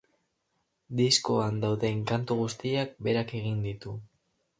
Diskoan dauden kantu guztiak berak egin ditu.